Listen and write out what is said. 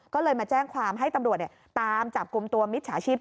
ก็เลยมาแจ้งความให้ตำรวจตามจับกลุ่มตัวมิจฉาชีพ